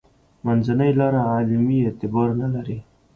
منځنۍ لاره علمي اعتبار نه لري.